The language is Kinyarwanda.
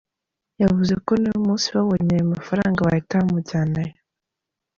Yavuze ko n'uyu munsi babonye ayo mafaranga bahita bamujyanayo.